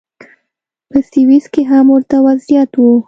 په سویس کې هم ورته وضعیت و.